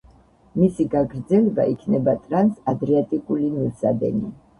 მისი გაგრძელება იქნება ტრანს-ადრიატიკული მილსადენი.